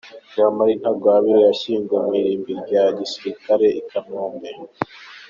Jean Marie Ntagwabira yashyinguwe mu irimbi rya gisirikare i Kanombe.